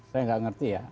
saya gak ngerti ya